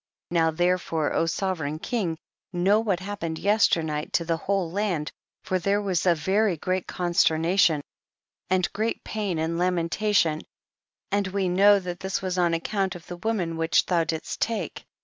22. Now therefore, O sovereign king, know what happened yester night to the whole land, for there was a very great consternation and great THE BOOK OF JASHER. 57 pain and lamentation, and we know that this was on account of the wo man which thou didst take.